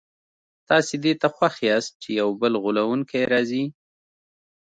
تاسي دې ته خوښ یاست چي یو بل غولونکی راځي.